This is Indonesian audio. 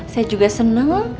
saya juga seneng